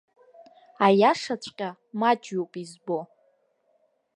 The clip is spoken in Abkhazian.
Аиашаҵәҟьа маҷҩуп избо.